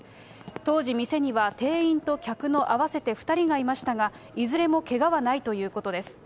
当時、店には店員と客の合わせて２人がいましたが、いずれもけがはないということです。